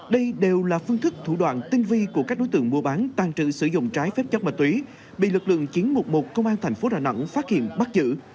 đây đều là phương thức thủ đoạn tinh vi của các đối tượng mua bán tàn trữ sử dụng trái phép chất ma túy bị lực lượng chín trăm một mươi một công an tp đà nẵng phát hiện bắt giữ